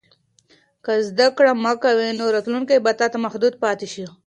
که زده کړه مه کوې، نو راتلونکی به تا ته محدود پاتې شي.